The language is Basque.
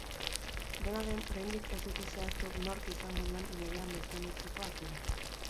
Dena den, oraindik ez dute zehaztu nork izango duen legea defenditzeko ardura.